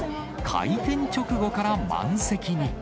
開店直後から満席に。